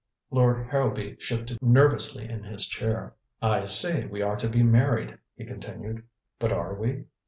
Lord Harrowby shifted nervously in his chair. "I say we are to be married," he continued. "But are we?